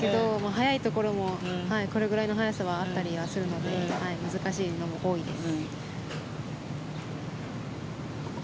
速いところもこれぐらいの速さはあったりするので難しいのも多いです。